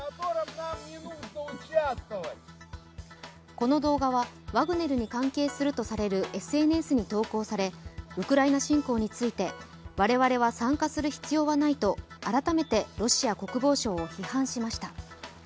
この動画はワグネルに関係するとされるＳＮＳに投稿されウクライナ侵攻について我々は参加する必要はないと改めてロシア国防省を批判しました。